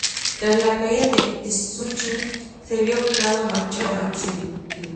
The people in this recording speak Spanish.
Tras la caída de Schuschnigg, se vio obligado a marchar al exilio.